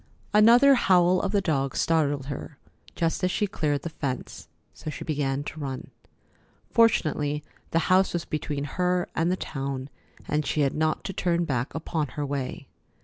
Another howl of the dog startled her just as she cleared the fence, so she began to run. Fortunately, the house was between her and the town, and she had not to turn back upon her way.